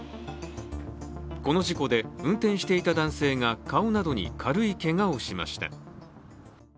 この事故で運転していた男性が顔などに軽いけがをしました。